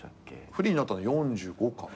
フリーになったの４５かな。